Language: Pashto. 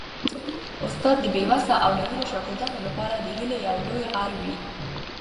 استاد د بې وسه او ناهیلو شاګردانو لپاره د هیلې یو لوی غر وي.